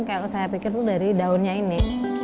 kayak saya pikir itu dari daunnya ini